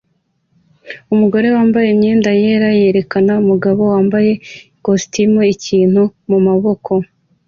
Umugore wambaye imyenda yera yerekana umugabo wambaye ikositimu ikintu mumaboko